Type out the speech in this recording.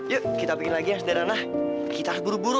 yuk kita bikin lagi yang sederhana kita buru buru